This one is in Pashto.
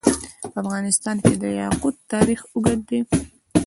په افغانستان کې د یاقوت تاریخ اوږد دی.